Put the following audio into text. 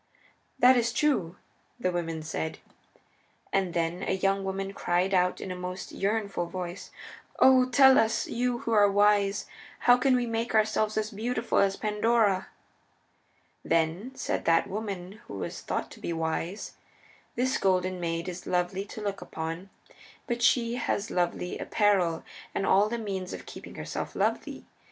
"That is true," the women said. And then a young woman cried out in a most yearnful voice, "O tell us, you who are wise, how can we make ourselves as beautiful as Pandora!" Then said that woman who was thought to be wise, "This Golden Maid is Lovely to look upon because she has lovely apparel and all the means of keeping herself lovely.